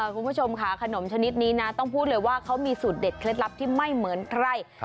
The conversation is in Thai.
คุณผู้ชมค่ะขนมชนิดนี้นะต้องพูดเลยว่าเขามีสูตรเด็ดเคล็ดลับที่ไม่เหมือนใคร